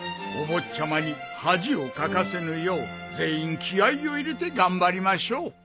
お坊ちゃまに恥をかかせぬよう全員気合を入れて頑張りましょう。